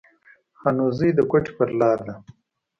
خانوزۍ د کوټي پر لار ده